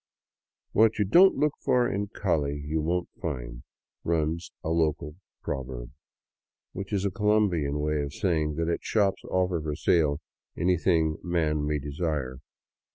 " What you don't look for in Cali, you won't find," runs a local prov erb ; which is a Colombian way of saying that its shops offer for sale anything man may desire.